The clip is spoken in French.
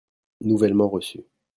nouvellement reçu.